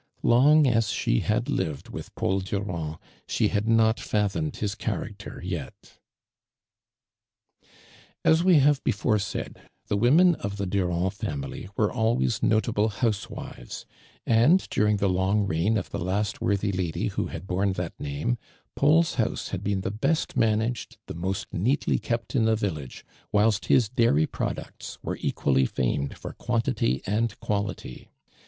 Lonir ns she had lived with Paul Durand, she had not fathomed his character yet. As we have before said, the Avomen ot the Durand family were always notable housewives, and during the long reign of the last worthy lady who had Ijorne that name, Paul's house had been the best man ageil, the most neatly kept in the village, whilst liis dairy products were ecjually famed for quantity and quality.